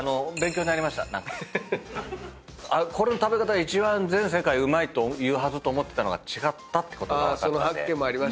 この食べ方が一番全世界うまいと言うはずと思ってたのが違ったってことが分かったんで。